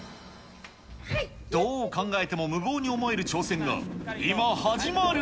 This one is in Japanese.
どう考えても無謀に思える挑戦が今始まる。